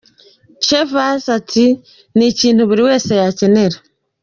Chavas ati "Ni ikintu buri wese yakenera.